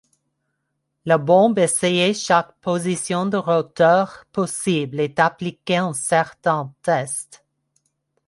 La Bombe essayait chaque position de rotor possible et appliquait un certain test.